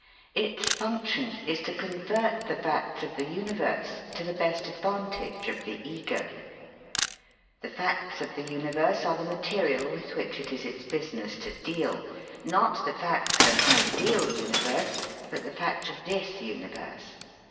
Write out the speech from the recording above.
Its function is to convert the facts of the universe to the best advantage of the Ego. The facts of the universe are the material with which it is its business to deal not the facts of an ideal universe, but the facts of this universe.